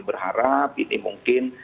berharap ini mungkin